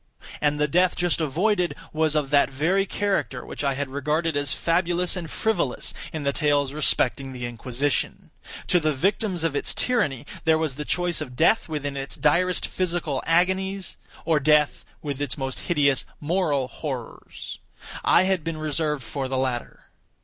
And the death just avoided, was of that very character which I had regarded as fabulous and frivolous in the tales respecting the Inquisition. To the victims of its tyranny, there was the choice of death with its direst physical agonies, or death with its most hideous moral horrors. I had been reserved for the latter.